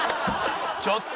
ちょっと！